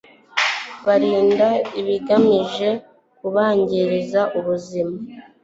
birinda ibigamije kubangiriza ubuzima